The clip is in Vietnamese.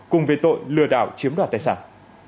cùng về tội lừa đảo chiếm đoạt tài sản